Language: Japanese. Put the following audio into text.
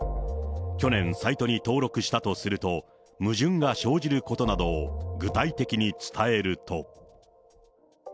去年、サイトに登録したとすると、矛盾が生じることなどを、具体的に伝えると。